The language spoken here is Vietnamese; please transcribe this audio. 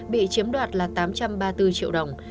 bị chiếm đoạt là tám trăm ba mươi bốn triệu đồng